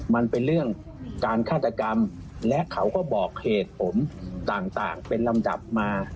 มันเป็นเรื่องการฆาตกรรมและเขาก็บอกเหตุผลต่างเป็นลำดับมา